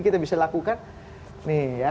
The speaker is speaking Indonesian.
kita bisa lakukan nih ya